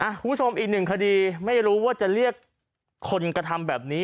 คุณผู้ชมอีกหนึ่งคดีไม่รู้ว่าจะเรียกคนกระทำแบบนี้